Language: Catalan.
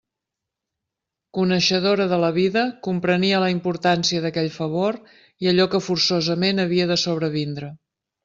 Coneixedora de la vida, comprenia la importància d'aquell favor i allò que forçosament havia de sobrevindre.